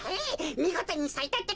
みごとにさいたってか。